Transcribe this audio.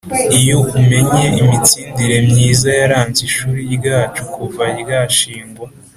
iyo umenye imitsindire myiza yaranze ishuri ryacu kuva ryashingwa,